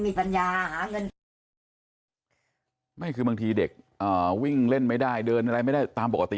มัยคือบางทีเด็กวิ่งเล่นไม่ได้เดินไม่ได้ตามปกติ